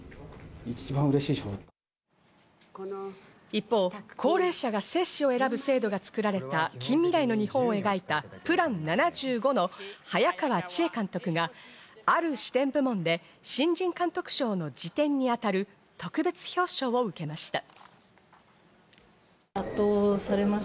一方、高齢者が生死を選ぶ制度が作られた近未来の日本を描いた『ＰＬＡＮ７５』の早川千絵監督が「ある視点」部門で新人監督賞の次点に当たる特別表彰を受けました。